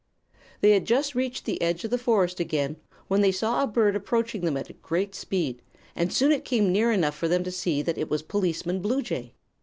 They had just reached the edge of the forest again when they saw a bird approaching them at a great speed, and soon it came near enough for them to see that it was Policeman Bluejay.